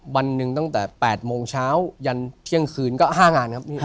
วันหนึ่งตั้งแต่๘โมงเช้ายันเที่ยงคืนก็๕งานครับ